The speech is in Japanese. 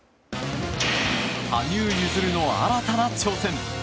羽生結弦の新たな挑戦。